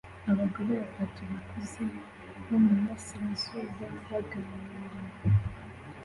Abagore batatu bakuze bo muburasirazuba baganira